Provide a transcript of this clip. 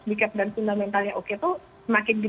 dekat dan fundamentalnya oke tuh semakin gede